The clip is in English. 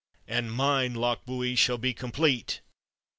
And mine, Lochbuie, shall be complete."